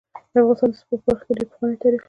د افغانستان د سپورټ په برخه کي ډير پخوانی تاریخ لري.